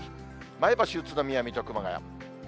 前橋、宇都宮、水戸、熊谷。